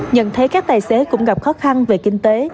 nhận thấy các tài xế cũng gặp khó khăn về kinh tế